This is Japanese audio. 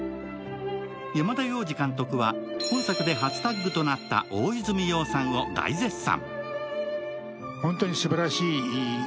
山田洋次監督は本作で初タッグとなった大泉洋さんを大絶賛。